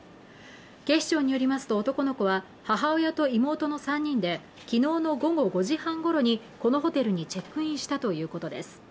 警視庁によりますと、男の子は母親と妹の３人で昨日の午後５時半ごろにこのホテルにチェックインしたということです。